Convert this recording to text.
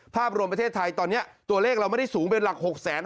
ภาพรวมประเทศไทยตอนนี้ตัวเลขเราไม่ได้สูงเป็นหลัก๖๕๐๐